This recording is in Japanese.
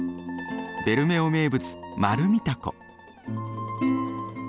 ベルメオ名物マルミタコ。